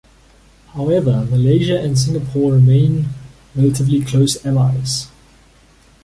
However, Malaysia and Singapore remain relatively close allies.